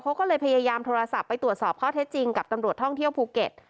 เขาก็เลยพยายามโทรศัพท์ไปตรวจสอบข้อเท็จจริงกับตำรวจท่องเที่ยวภูเก็ต